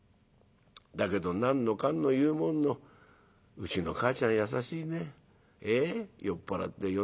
だけど何のかんの言うもんのうちのかあちゃん優しいね。